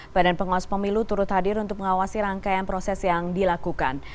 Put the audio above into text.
badan pengawas pemilu turut hadir untuk mengawasi rangkaian proses yang dilakukan